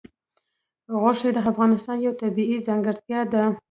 غوښې د افغانستان یوه طبیعي ځانګړتیا ده.